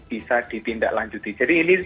bisa ditindaklanjuti jadi ini